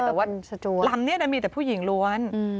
แต่ว่าลำนี้มีแต่ผู้หญิงล้วน